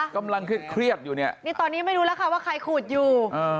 กำลังเครียดอยู่เนี่ยนี่ตอนนี้ไม่รู้แล้วค่ะว่าใครขูดอยู่